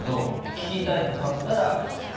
聞きたかったら聞く。